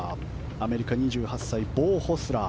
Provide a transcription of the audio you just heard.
アメリカ、２８歳ボウ・ホスラー。